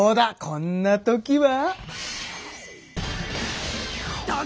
こんな時は！